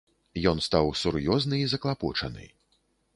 Ён стаў сур'ёзны і заклапочаны.